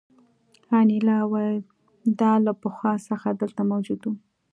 انیلا وویل دا له پخوا څخه دلته موجود وو